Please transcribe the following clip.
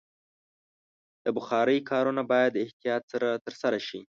د بخارۍ کارونه باید د احتیاط سره ترسره شي.